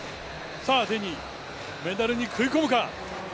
さあデニー、メダルに食い込むか。